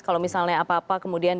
kalau misalnya apa apa kemudian